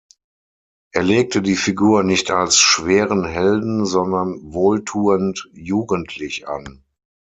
Er legte die Figur nicht als schweren Helden, sondern wohltuend jugendlich an.